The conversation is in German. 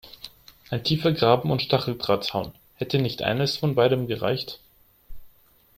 Ein tiefer Graben und Stacheldrahtzaun – hätte nicht eines von beidem gereicht?